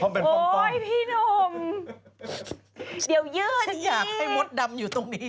อยากให้มดดำอยุตรงนี้แจงเลย